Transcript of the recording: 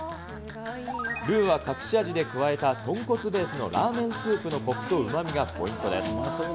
ルーは隠し味で加えた豚骨ベースのラーメンスープのこくとうまみがポイントです。